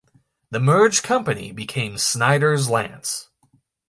The merged company became Snyder's-Lance.